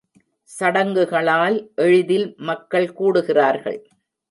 சடங்குகளால் எளிதில் மக்கள் கூடுகிறார்கள்.